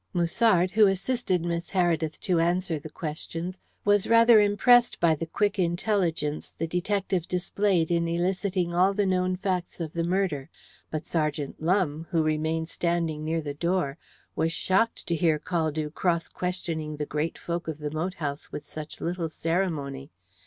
Musard, who assisted Miss Heredith to answer the questions, was rather impressed by the quick intelligence the detective displayed in eliciting all the known facts of the murder, but Sergeant Lumbe, who remained standing near the door, was shocked to hear Caldew cross questioning the great folk of the moat house with such little ceremony.